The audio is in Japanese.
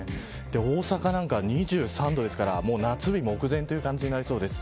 大阪なんかは２３度ですから夏日目前という感じになりそうです。